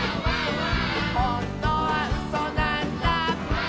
「ほんとはうそなんだ」